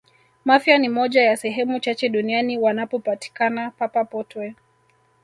mafia ni moja ya sehemu chache duniani wanapopatikana papa potwe